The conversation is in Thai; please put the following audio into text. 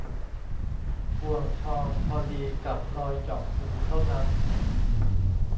ห่วงทองพอดีกับรอยเจาะหูเท่านั้น